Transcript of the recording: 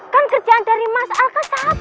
kan kerjaan dari mas alka sahabatnya